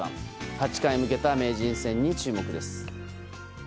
八冠へ向けた名人戦に注目です。